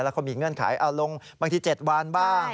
แล้วเขามีเงื่อนไขลงบางที๗วันบ้าง